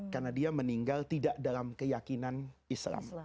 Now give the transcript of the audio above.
karena dia meninggal tidak dalam keyakinan islam